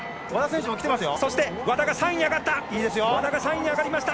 そして和田が３位に上がりました。